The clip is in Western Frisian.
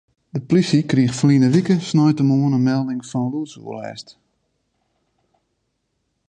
De plysje krige ferline wike sneintemoarn in melding fan lûdsoerlêst.